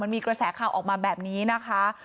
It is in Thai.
มีแสดงขาวออกมาแบบนี้นะคะ